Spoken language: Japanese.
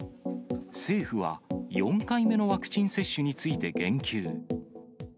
政府は４回目のワクチン接種について言及。